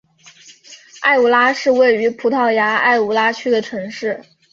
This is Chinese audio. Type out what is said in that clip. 埃武拉是位于葡萄牙埃武拉区的城市。